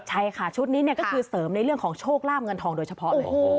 ใช่ค่ะชุดนี้ก็คือเสริมในเรื่องของโชคลาบเงินทองโดยเฉพาะเลย